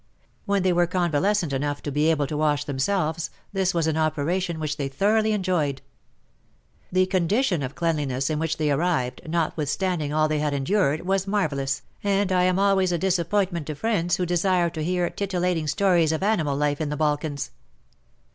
When they were con valescent enough to be able to wash themselves, this was an operation which they thoroughly enjoyed. The condition of cleanliness in which they arrived, notwithstanding all they had en dured, was marvellous, and I am always a dis appointment to friends who desire to hear titil lating stories of animal life in the Balkans.